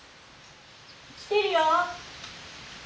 来てるよ！